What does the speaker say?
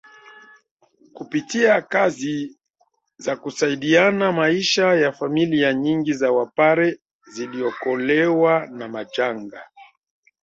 Kupitia kazi za kusaidiana maisha ya familia nyingi za Wapare ziliokolewa na majanga